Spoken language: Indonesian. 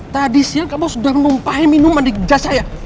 tadi siang kamu sudah ngumpahin minuman di jas saya